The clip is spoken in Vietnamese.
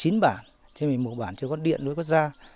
hiện nay đối với xã này có chín bản chứ mùa bản chưa có điện lưới quốc gia